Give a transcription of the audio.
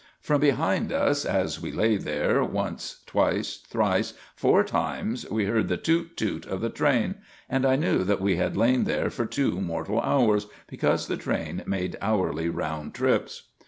From behind us, as we lay there, once, twice, thrice, four times we heard the toot, toot of the train; and I knew that we had lain there for two mortal hours, because the train made hourly round trips.